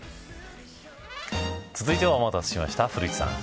続いては、お待たせしました古市さん。